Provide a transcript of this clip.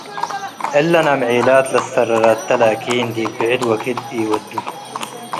እለን አምዔላት ለሰረት ተ ላኪን ዲብ ብዕ ድ ወክድ ኢወዱ ።